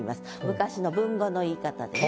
昔の文語の言い方でね。